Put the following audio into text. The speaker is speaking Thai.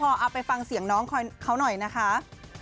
พอเอาไปฟังเสียงน้องเขาหน่อยนะคะ